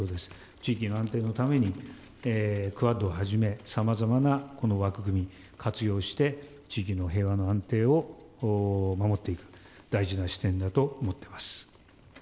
地域の安定のために、クアッドをはじめ、さまざまなこの枠組み、活用して、地域の平和の安定を守っていく、大事な視点だと思っています。